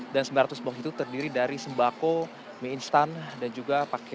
dan sembilan ratus box itu terdiri dari sembako mie instan dan juga paket